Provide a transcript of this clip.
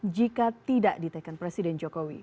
jika tidak ditekan presiden jokowi